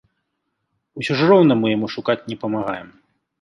Усё ж роўна мы яму шукаць не памагаем.